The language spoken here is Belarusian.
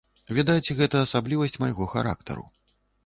Відаць, гэта асаблівасць майго характару.